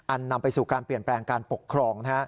นำไปสู่การเปลี่ยนแปลงการปกครอง